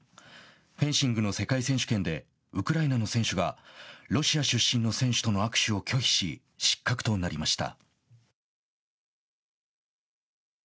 フェンシングの世界選手権でウクライナの選手がロシア出身の選手との握手を拒否し失格となりました。